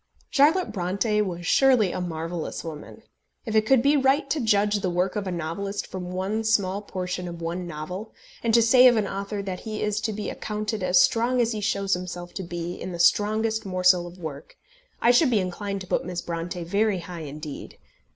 Charlotte Brontë was surely a marvellous woman. If it could be right to judge the work of a novelist from one small portion of one novel, and to say of an author that he is to be accounted as strong as he shows himself to be in his strongest morsel of work, I should be inclined to put Miss Brontë very high indeed.